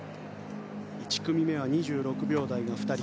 １組目は２６秒台が２人。